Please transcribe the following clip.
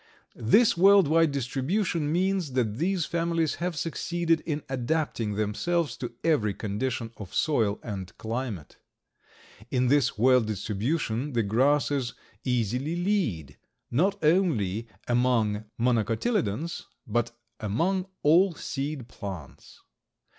This world wide distribution means that these families have succeeded in adapting themselves to every condition of soil and climate. In this world distribution the grasses easily lead, not only among Monocotyledons, but among all seed plants.